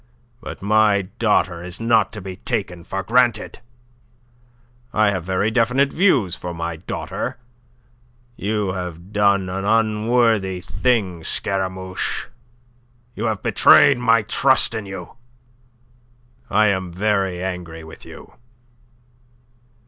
But my daughter is not to be taken for granted. I have very definite views for my daughter. You have done an unworthy thing, Scaramouche. You have betrayed my trust in you. I am very angry with you."